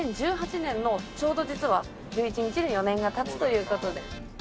２０１８年のちょうど実は１１日に４年が経つという事で。